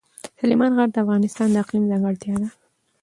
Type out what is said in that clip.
سلیمان غر د افغانستان د اقلیم ځانګړتیا ده.